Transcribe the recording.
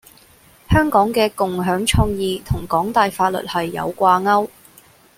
香港嘅「共享創意」同港大法律系有掛鉤